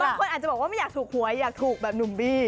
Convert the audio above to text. บางคนอาจจะบอกว่าไม่อยากถูกหวยอยากถูกแบบหนุ่มบี้